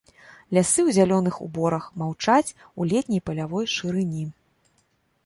Лясы ў зялёных уборах маўчаць у летняй палявой шырыні.